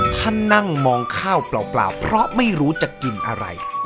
ท่านนั่งมองข้าวเปล่าเพราะไม่รู้จะกินอะไร